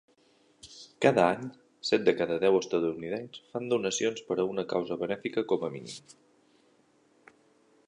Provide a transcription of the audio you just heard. Cada any, set de cada deu estatunidencs fan donacions per a una causa benèfica com a mínim.